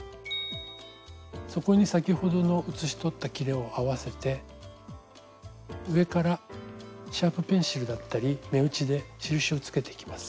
そこに先ほどの写し取ったきれを合わせて上からシャープペンシルだったり目打ちで印をつけていきます。